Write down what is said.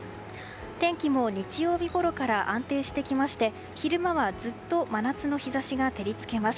天気も日曜日ごろから安定してきまして昼間はずっと真夏の日差しが照り付けます。